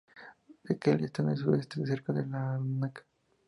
Dhekelia está en el sudeste, cerca de Larnaca.